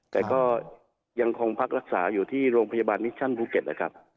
แต่ก็ยังคงพักรักษาอยู่ที่โรงพยาบาลมิชชั่นภูเก็ตนะครับ